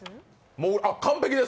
あ、完璧です！